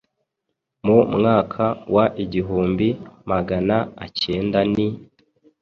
mu mwaka wa igihumbi Magana acyendani